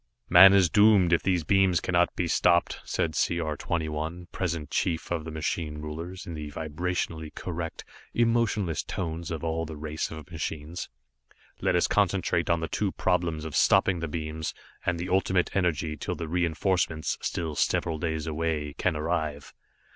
"Man is doomed, if these beams cannot be stopped," said C R 21, present chief of the machine rulers, in the vibrationally correct, emotionless tones of all the race of machines. "Let us concentrate on the two problems of stopping the beams, and the Ultimate Energy till the reenforcements, still several days away, can arrive."